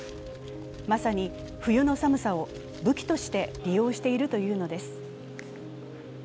まさに冬の寒さを武器として利用しているというのです。